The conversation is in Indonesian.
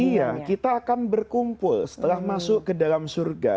iya kita akan berkumpul setelah masuk ke dalam surga